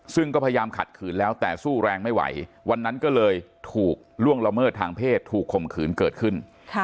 ซึ่งก็พยายามขัดขืนแล้วแต่สู้แรงไม่ไหววันนั้นก็เลยถูกล่วงละเมิดทางเพศถูกข่มขืนเกิดขึ้น